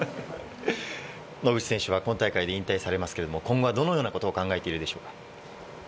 野口選手は今大会で引退されますが、今後はどんなことを考えているでしょうか？